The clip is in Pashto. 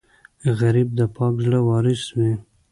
غریب د پاک زړه وارث وي